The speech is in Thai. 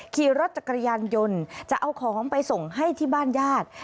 ขี่รถจักรยานยนต์จะเอาของไปส่งให้ที่บ้านญาติ